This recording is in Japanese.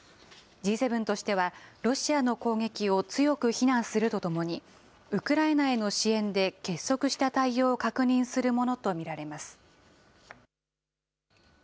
Ｇ７としては、ロシアの攻撃を強く非難するとともに、ウクライナへの支援で結束した対応を確認するものと見られます。